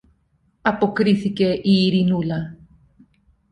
αποκρίθηκε η Ειρηνούλα.